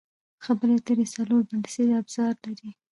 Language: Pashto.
خبرې اترې څلور بنسټیز ابزار لري.